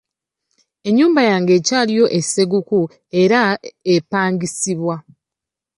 Ennyumba yange ekyaliyo e Sseguku era epangisibwa.